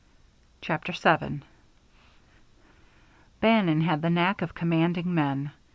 CHAPTER VII Bannon had the knack of commanding men.